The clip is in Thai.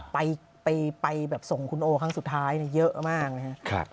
ไปแบบส่งคุณโอครั้งสุดท้ายเยอะมากนะครับ